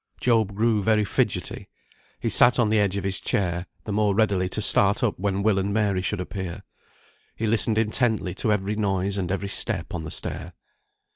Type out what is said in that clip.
Job grew very fidgetty. He sat on the edge of his chair, the more readily to start up when Will and Mary should appear. He listened intently to every noise and every step on the stair.